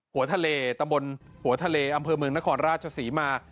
หัวทะเลตำบลหัวทะเลอำเภอเมืองนครราชศรีมา